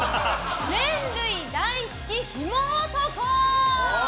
麺類大好きヒモ男！